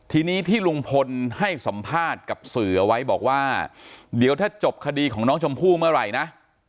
ทีนี้ที่ลุงพลให้สัมภาษณ์กับสื่อเอาไว้บอกว่าเดี๋ยวถ้าจบคดีของน้องชมพู่เมื่อไหร่นะ